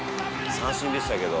「三振でしたけど」